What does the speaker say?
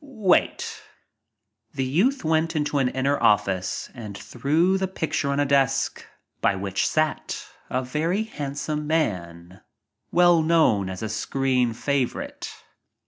"Wait." The youth went into an inner office and threw the picture on a desk by which sat a very handsome man, well known as a screen favorite.